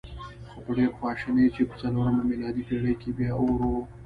خو په ډېرې خواشینۍ چې په څلورمه میلادي پېړۍ کې بیا اور و.